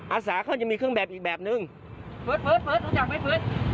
อาสาเขาจะมีเครื่องแบบอีกแบบหนึ่งเฟิร์ดเฟิร์ดเฟิร์ดรู้จักไหมเฟิร์ด